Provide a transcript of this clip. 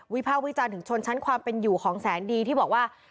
ภาควิจารณ์ถึงชนชั้นความเป็นอยู่ของแสนดีที่บอกว่า